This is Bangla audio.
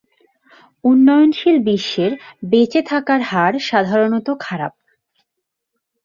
উন্নয়নশীল বিশ্বের বেঁচে থাকার হার সাধারণত খারাপ।